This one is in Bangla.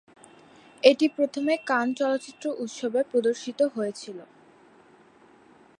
এটি প্রথমে কান চলচ্চিত্র উৎসব-এ প্রদর্শিত হয়েছিলো।